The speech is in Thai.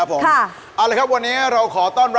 นอกการ์ตูน